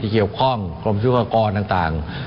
อย่างเกี่ยวข้องกรมศึกรากรต่าง